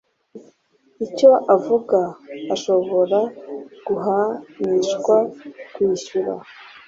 icyo avuga ashobora guhanishwa kwishyura